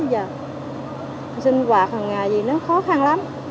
và sinh hoạt hằng ngày gì nó khó khăn lắm